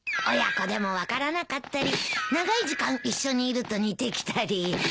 親子でも分からなかったり長い時間一緒にいると似てきたり。